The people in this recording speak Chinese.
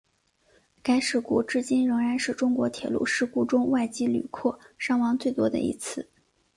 该事故至今仍然是中国铁路事故中外籍旅客伤亡最多的一次。